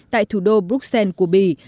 tại thủ đô bruxelles của bỉ